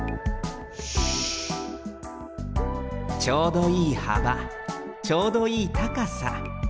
ちょうどいいはばちょうどいいたかさ。